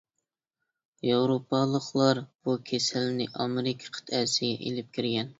ياۋروپالىقلار بۇ كېسەلنى ئامېرىكا قىتئەسىگە ئېلىپ كىرگەن.